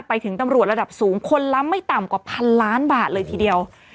ตำรวจระดับสูงคนละไม่ต่ำกว่าพันล้านบาทเลยทีเดียว